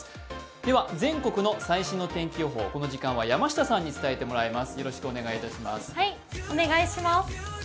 では全国の最新の天気予報、この時間は山下さんに伝えてもらいます。